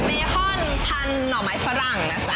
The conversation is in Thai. เบคอนพันธุ์หน่อไม้ฝรั่งนะจ๊